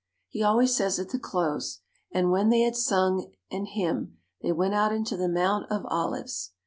He always says at the close, "And when they had sung an hymn they went out into the Mount of Olives."